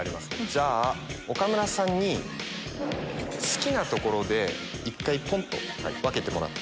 じゃあ岡村さんに好きな所で１回ポンと分けてもらって。